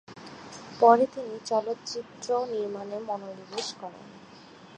পরে তিনি চলচ্চিত্র নির্মাণে মনোনিবেশ করেন।